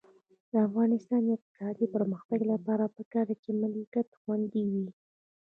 د افغانستان د اقتصادي پرمختګ لپاره پکار ده چې ملکیت خوندي وي.